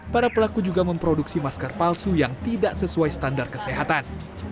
para pelaku juga memproduksi masker palsu yang tidak sesuai standar kesehatan